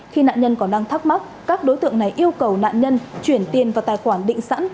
khi nạn nhân còn đang thắc mắc các đối tượng này yêu cầu nạn nhân chuyển tiền vào tài khoản định sẵn